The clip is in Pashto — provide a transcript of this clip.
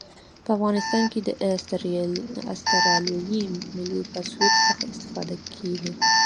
په افغانستان کې د اسټرلیایي ملي الپسویډ څخه استفاده کیږي